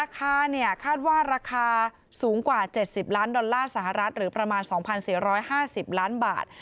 คาดว่าราคาสูงกว่า๗๐ล้านดอลลาร์สหรัฐหรือประมาณ๒๔๕๐ล้านบาท